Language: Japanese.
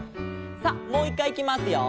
さあもう１かいいきますよ。